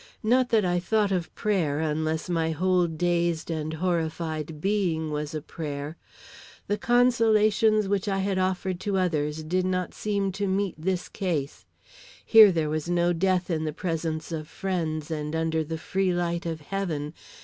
Not that I thought of prayer, unless my whole dazed and horrified being was a prayer. The consolations which I had offered to others did not seem to meet this case. Here was no death in the presence of friends and under the free light of heaven.